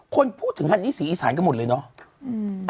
คนพูดถึงฮันนี่ศรีอีสานกันหมดเลยเนาะ